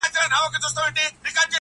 زوره وره هيبتناكه تكه توره!!